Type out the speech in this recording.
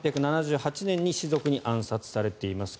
１８７８年に士族に暗殺されています。